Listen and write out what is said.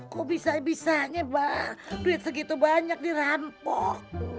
kok bisa bisanya bang duit segitu banyak dirampok